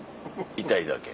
痛いだけ？